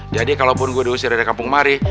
jadi kalo gue diusir dari kampung mari